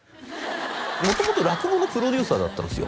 元々落語のプロデューサーだったんですよ